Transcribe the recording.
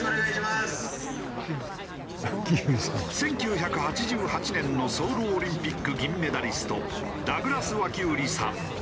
１９８８年のソウルオリンピック銀メダリストダグラス・ワキウリさん。